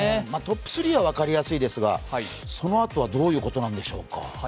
トップ３は分かりやすいですが、そのあとはどういうことなんでしょうか？